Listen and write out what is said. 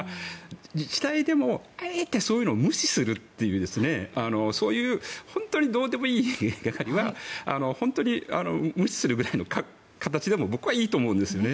自治体でもそういうのを無視するとか本当にどうでもいい方には無視するぐらいの形でも僕はいいと思うんですよね。